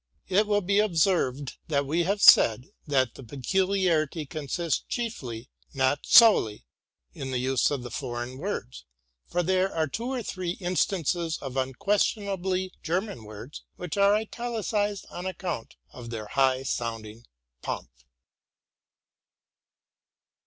It will be observed that we have said that the pecu liarity consists chiefly, not solely, in the use of the foreign words; for there are two or three instances of unquestionably German words, which are Italicized on account of their high sounding pomp.